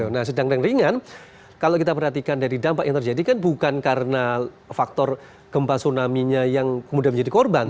nah sedang dan ringan kalau kita perhatikan dari dampak yang terjadi kan bukan karena faktor gempa tsunami nya yang kemudian menjadi korban